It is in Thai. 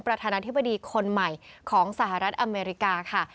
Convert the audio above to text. ประธานาธิบดีคนใหม่ของสหรัฐอเมริกาค่ะ